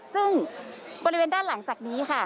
ซึ่งบริเวณด้านหลังจากนี้ค่ะ